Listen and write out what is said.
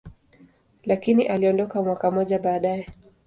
lakini aliondoka mwaka mmoja baadaye.